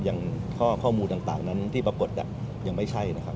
อย่างข้อมูลต่างนั้นที่ปรากฏยังไม่ใช่นะครับ